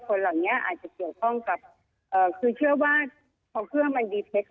คนเหล่านี้อาจจะเกี่ยวข้องกับคือเชื่อว่าพอเครื่องมันดีเท็จ